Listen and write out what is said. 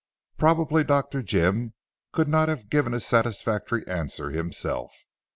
Probably Dr. Jim could not have given a satisfactory answer himself.